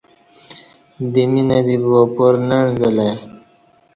دمی نہ بیبا پار نہ عنزہ لہ ای